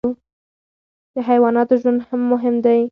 د حیواناتو ژوند هم مهم دی.